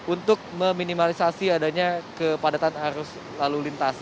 untuk meminimalisasi adanya kepadatan arus lalu lintas